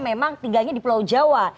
memang tinggalnya di pulau jawa